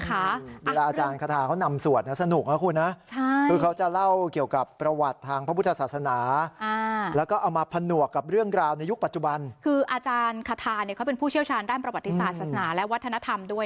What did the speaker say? อาจารย์คาทาเป็นผู้เชี่ยวกับประวัติศาสนาและวัฒนธรรมด้วย